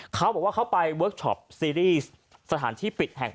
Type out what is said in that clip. เขาบอกว่าเขาไปเวิร์คชอปซีรีส์สถานที่ปิดแห่ง